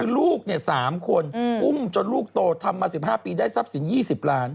ลูก๓คนอุ้มจนลูกโตทำมา๑๕ปีได้ทรัพย์สิน๒๐ล้าน